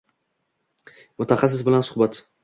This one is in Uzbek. mutaxassis bilan suhbat